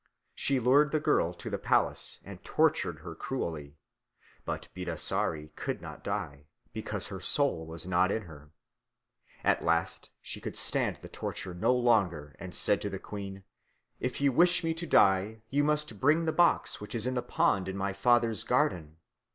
She lured the girl to the palace and tortured her cruelly; but Bidasari could not die, because her soul was not in her. At last she could stand the torture no longer and said to the queen, "If you wish me to die, you must bring the box which is in the pond in my father's garden."